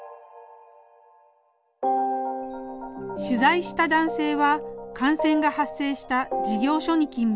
取材した男性は感染が発生した事業所に勤務。